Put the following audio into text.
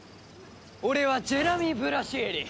俺はジェラミー・ブラシエリ！